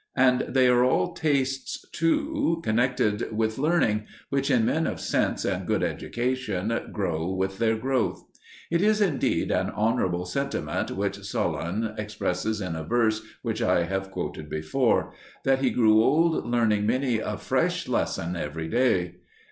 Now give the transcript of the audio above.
And they are all tastes, too, connected with learning, which in men of sense and good education grow with their growth. It is indeed an honourable sentiment which Solon expresses in a verse which I have quoted before that he grew old learning many a fresh lesson every day.